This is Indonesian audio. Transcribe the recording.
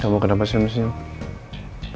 kamu kenapa saya mesej